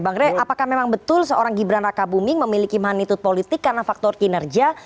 bang rey apakah memang betul seorang gibran raka buming memiliki magnitud politik karena faktor kinerja